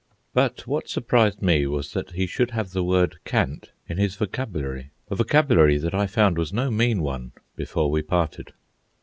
But what surprised me was that he should have the word "cant" in his vocabulary, a vocabulary that I found was no mean one before we parted.